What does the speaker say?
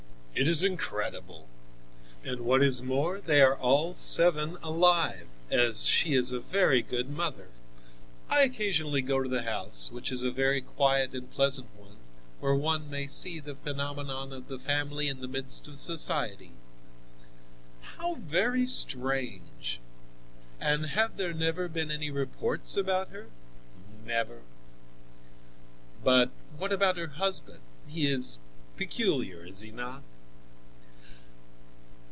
"It is incredible." "And what is more, they are all seven alive, as she is a very good mother. I occasionally go to the house, which is a very quiet and pleasant one, where one may see the phenomenon of the family in the midst of society." "How very strange! And have there never been any reports about her?" "Never." "But what about her husband? He is peculiar, is he not?"